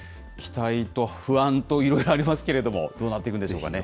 期待と不安といろいろありますけれども、どうなっていくでしょう